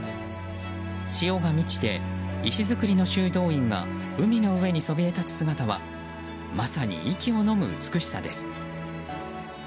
潮が満ちて石造りの修道院が海の上にそびえたつ姿はまさに息をのむ美しさです。